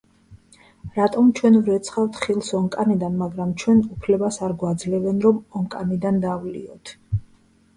რატომ ჩვენ ვრეცხავთ ხილს ონკანიდან მაგრამ ჩვენ უფლებას არ გვაძლევენ რომ ონკანიდან დავლიოთ.